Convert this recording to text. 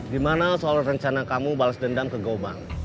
di mana soal rencana kamu balas dendam ke gouwang